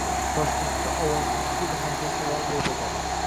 Toshkentda Ovozsiz filmlar festivali bo‘lib o‘tadi